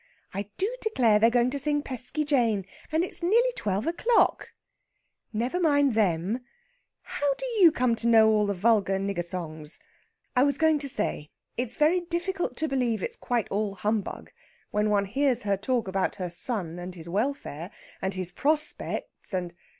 "I do declare they're going to sing Pesky Jane, and it's nearly twelve o'clock!" "Never mind them! How came you to know all the vulgar nigger songs?... I was going to say. It's very difficult to believe it's quite all humbug when one hears her talk about her son and his welfare, and his prospects and...."